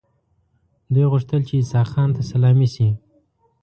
دوی غوښتل چې اسحق خان ته سلامي شي.